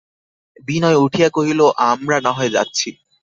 বিনয় উঠিয়া কহিল, আমরা নাহয় যাচ্ছি।